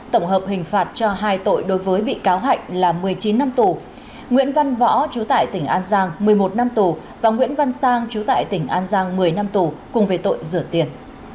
tổng hợp hình phạt cho hai tội đối với bị cáo hạnh là một mươi chín năm tù nguyễn văn võ trú tại tỉnh an giang một mươi một năm tù và nguyễn văn sang chú tại tỉnh an giang một mươi năm tù cùng về tội rửa tiền